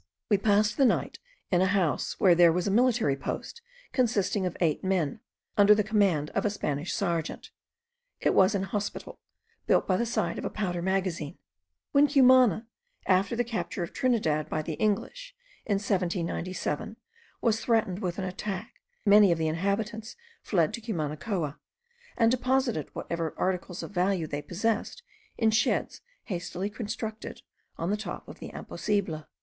We passed the night in a house where there was a military post consisting of eight men, under the command of a Spanish serjeant. It was an hospital, built by the side of a powder magazine. When Cumana, after the capture of Trinidad by the English, in 1797, was threatened with an attack, many of the inhabitants fled to Cumanacoa, and deposited whatever articles of value they possessed in sheds hastily constructed on the top of the Imposible.